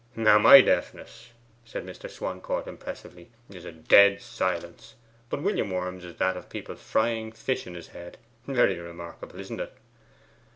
'Now, my deafness,' said Mr. Swancourt impressively, 'is a dead silence; but William Worm's is that of people frying fish in his head. Very remarkable, isn't it?